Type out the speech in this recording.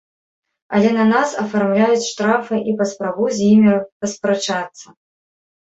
Але на нас афармляюць штрафы, і паспрабуй з імі паспрачацца!